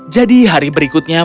jadi hari berikutnya